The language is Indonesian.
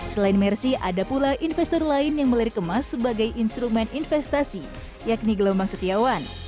selain mercy ada pula investor lain yang melirik emas sebagai instrumen investasi yakni gelombang setiawan